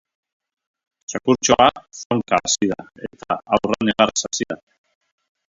Txakurtxoa zaunka hasi da eta haurra negarrez hasi da.